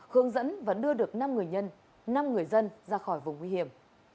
hướng dẫn và đưa được năm người dân ra khỏi vùng nguy hiểm